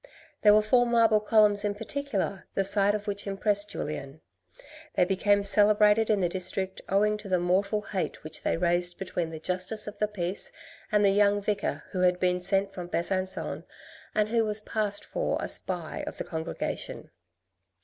There were four marble columns in particular, the sight of which impressed Julien. They became celebrated in the district owing to the mortal hate which they raised between the Justice of the Peace and the young vicar who had been sent from Besancon and who passed for a spy of the congregation.